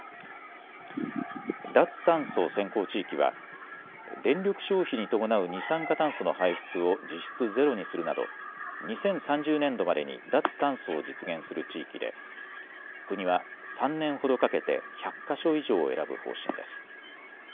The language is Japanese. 脱炭素先行地域は電力消費に伴う二酸化炭素の排出を実質ゼロにするなど２０３０年度までに脱炭素を実現する地域で国は３年ほどかけて１００か所以上を選ぶ方針です。